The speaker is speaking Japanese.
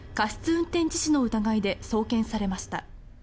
運転致死の疑いで送検されました。